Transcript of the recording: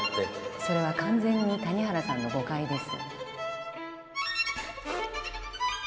それは完全に谷原さんの誤解です。